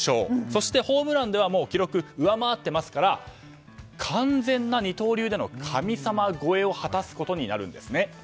そして、ホームランではもう記録を上回っているので完全な二刀流での神様超えを果たすことになるんですね。